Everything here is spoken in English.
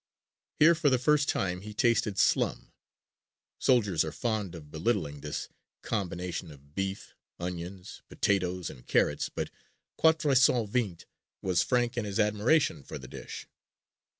Here for the first time he tasted slum. Soldiers are fond of belittling this combination of beef, onions, potatoes and carrots but Quatre Cent Vingt was frank in his admiration of the dish.